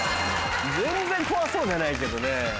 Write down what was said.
全然怖そうじゃないけどね。